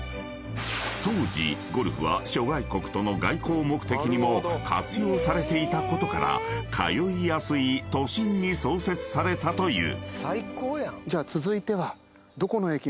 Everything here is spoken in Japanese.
［当時ゴルフは諸外国との外交目的にも活用されていたことから通いやすい都心に創設されたという］